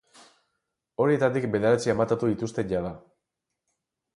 Horietatik bederatzi amatatu dituzte jada.